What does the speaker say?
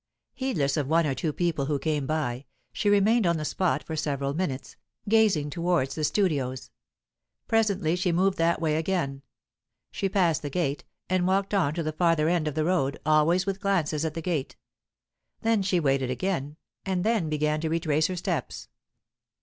Heedless of one or two people who came by, she remained on the spot for several minutes, gazing towards the studios. Presently she moved that way again. She passed the gate, and walked on to the farther end of the road, always with glances at the gate. Then she waited again, and then began to retrace her steps.